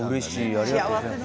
ありがとうございます。